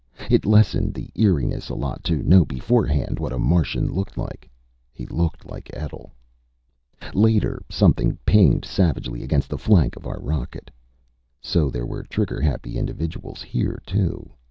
It lessened the eeriness a lot to know beforehand what a Martian looked like. He looked like Etl. Later, something pinged savagely against the flank of our rocket. So there were trigger happy individuals here, too.